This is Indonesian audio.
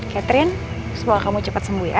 catherine semoga kamu cepat sembuh ya